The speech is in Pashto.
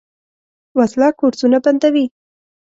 وسله کورسونه بندوي